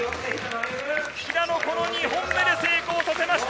平野、この２本目で成功させました。